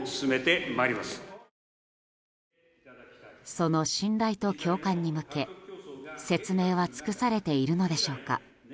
その信頼と共感に向け、説明は尽くされているのでしょうか。